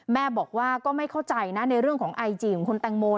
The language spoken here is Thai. แม่บอกว่าก็ไม่เข้าใจนะในเรื่องของไอจีของคุณแตงโม